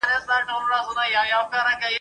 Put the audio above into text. خو هغه د همدغو ..